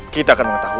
kita akan mengetahui